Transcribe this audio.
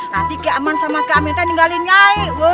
nanti ki aman sama ki amin teh ninggalin nyai